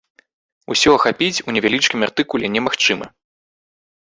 Усё ахапіць у невялічкім артыкуле немагчыма.